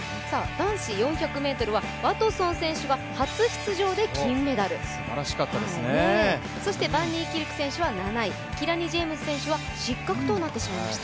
男子４００ｍはワトソン選手が初出場で金メダル、そしてバンニーキルク選手は７位、キラニ・ジェームス選手は失格となってしまいました。